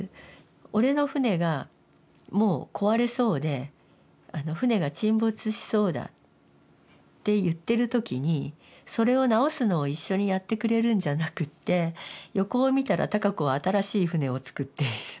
俺の船がもう壊れそうであの船が沈没しそうだって言ってる時にそれを直すのを一緒にやってくれるんじゃなくって横を見たら孝子は新しい船を造っている。